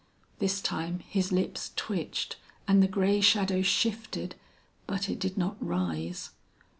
This time his lips twitched and the grey shadow shifted, but it did not rise.